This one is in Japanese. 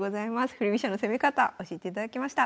振り飛車の攻め方教えていただきました。